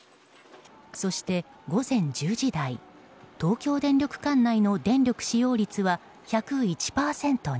そして、午前１０時台東京電力管内の電力使用率は１０１％に。